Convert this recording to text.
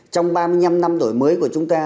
trong ba mươi năm năm đổi mới của chúng ta